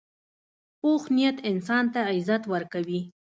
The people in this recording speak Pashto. پوخ نیت انسان ته عزت ورکوي